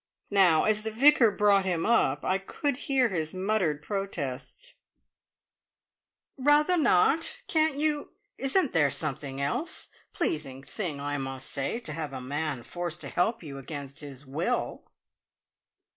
Now, as the Vicar brought him up, I could hear his muttered protests: "Rather not! Can't you isn't there something else?" Pleasing thing, I must say, to have a man forced to help you against his will!